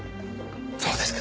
そうですか。